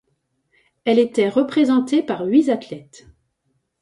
Elle était représentée par huit athlètes.